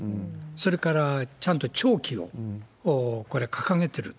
それからちゃんと弔旗を、これ、掲げてる。